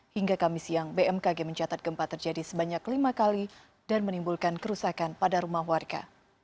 hingga kamis siang bmkg mencatat gempa terjadi sebanyak lima kali dan menimbulkan kerusakan pada rumah warga